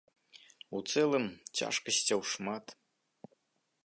У цэлым, цяжкасцяў шмат.